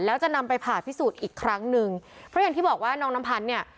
แล้วจะนำไปผ่าพิสูจน์อีกครั้งหนึ่งเพราะอย่างที่บอกว่าน้องน้ำพันธ์เนี่ย